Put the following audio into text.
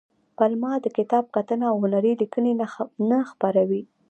پملا د کتاب کتنه او هنری لیکنې نه خپروي.